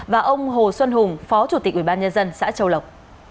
và ông hồ xuân hùng phó chủ tịch ubnd xã châu lộc